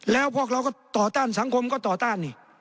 แล้วพวกเราก็ต่อต้านสังคมก็ต่อต้านนี่